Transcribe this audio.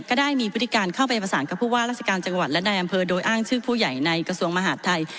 ก็ได้มีพฤติการเข้าไปประสานกับผู้ว่าราชการจังหวัดและนายอำเภอโดยอ้างชื่อผู้ใหญ่ในกระทรวงมหาดไทย